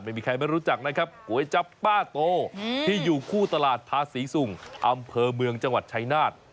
ไม่มีใครไม่รู้จักนะครับก๋วยจับป้าโตที่อยู่คู่ตลาดทาศรีสุงอำเภอเมืองจังหวัดชายนาฏ